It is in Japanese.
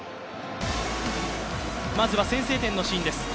まずは先制点のシーンです。